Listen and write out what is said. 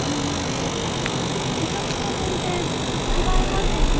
見た目も全然違いますよね。